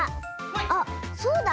あっそうだ。